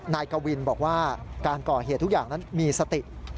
นายกวินบอกว่าการก่อเหตุทุกอย่างนั้นมีสติ